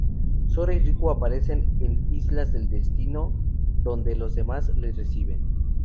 Sora y Riku aparecen en Islas del Destino, donde los demás les reciben.